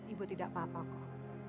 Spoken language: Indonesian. ibu tidak apa apa kok